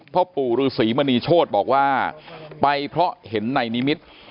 พ่อปู่ฤษีมณีโชธบอกว่าไปเพราะเห็นในนิมิตร